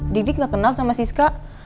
dik dik gak kenal sama siska